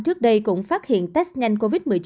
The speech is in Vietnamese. trước đây cũng phát hiện test nhanh covid một mươi chín